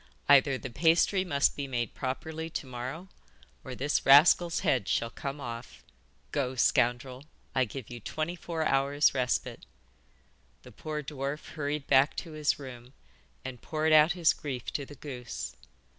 'Either the pasty must be made properly to morrow or this rascal's head shall come off. Go, scoundrel, I give you twenty four hours respite.' The poor dwarf hurried back to his room, and poured out his grief to the goose.